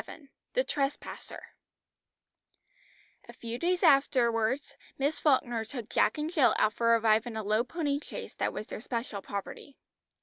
VII THE TRESPASSER A few days afterwards Miss Falkner took Jack and Jill out for a drive in a low pony chaise that was their special property.